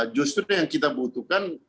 justru yang kita butuhkan